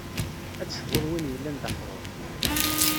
Ad d-tecbuḍ win yellan d aḥrur.